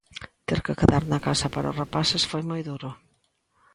Ter que quedar na casa para os rapaces foi moi duro.